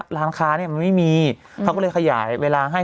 ร้านค้าเนี่ยมันไม่มีเขาก็เลยขยายเวลาให้